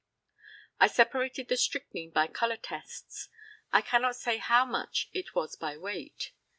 I separated the strychnine by colour tests. I cannot say how much it was by weight.